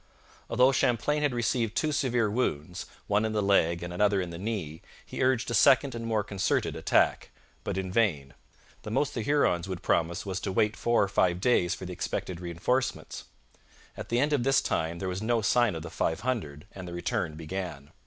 Although Champlain had received two severe wounds, one in the leg and another in the knee, he urged a second and more concerted attack. But in vain. The most the Hurons would promise was to wait four or five days for the expected reinforcements. At the end of this time there was no sign of the five hundred, and the return began.